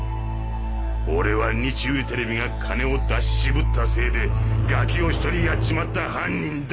「俺は日売テレビが金を出し渋ったせいでガキを１人殺っちまった犯人だ！」